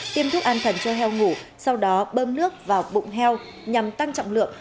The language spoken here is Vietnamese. tiêm thuốc an thần cho heo ngủ sau đó bơm nước vào bụng heo nhằm tăng trọng lượng